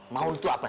mau itu apa